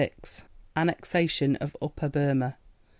Annexation of Upper Burmah.